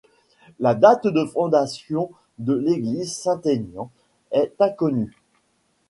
La date de fondation de l'église Saint-Aignan est inconnue.